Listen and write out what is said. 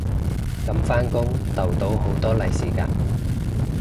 噉返工逗到好多利是嘅